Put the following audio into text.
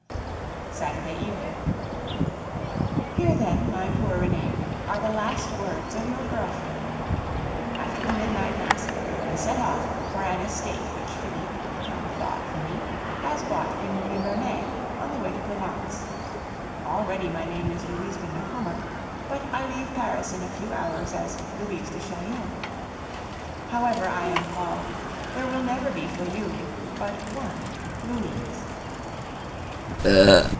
Saturday evening. Here, then, my poor Renee, are the last words of your girl friend. After the midnight Mass, we set off for an estate which Felipe, with kind thought for me, has bought in Nivernais, on the way to Provence. Already my name is Louise de Macumer, but I leave Paris in a few hours as Louise de Chaulieu. However I am called, there will never be for you but one Louise.